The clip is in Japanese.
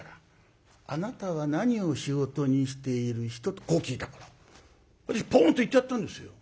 「あなたは何を仕事にしている人？」とこう聞いたから私ポンと言ってやったんですよ。